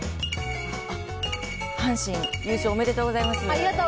阪神優勝おめでとうございます。